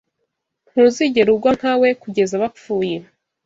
ntuzigera ugwa nka We kugeza bapfuye.